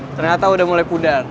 ternyata udah mulai pudar